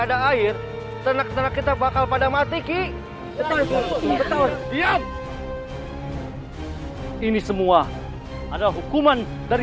ada air tenag tenag kita bakal pada mati ki betul betul diam ini semua ada hukuman dari